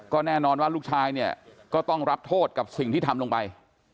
ก็แน่นอนว่าลูกชายเนี่ยก็ต้องรับโทษกับสิ่งที่ทำลงไป